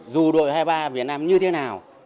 dù đội hai mươi ba việt nam như thế nào